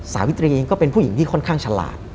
สาวิตรีเองก็เป็นผู้หญิงที่ค่อนข้างฉลาด